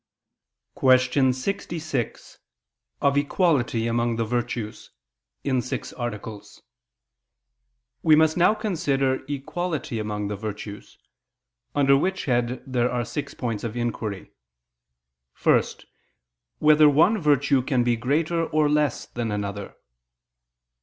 ________________________ QUESTION 66 OF EQUALITY AMONG THE VIRTUES (In Six Articles) We must now consider equality among the virtues: under which head there are six points of inquiry: (1) Whether one virtue can be greater or less than another?